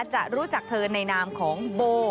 จะรู้จักเธอในนามของโบ